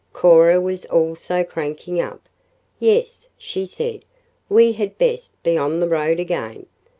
Cora was also cranking up. "Yes," she said, "we had best be on the road again.